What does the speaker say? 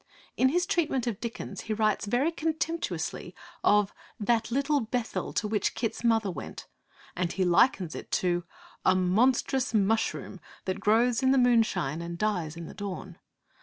In his treatment of Dickens, he writes very contemptuously of 'that Little Bethel to which Kit's mother went,' and he likens it to 'a monstrous mushroom that grows in the moonshine and dies in the dawn.'